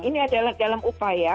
ini adalah dalam upaya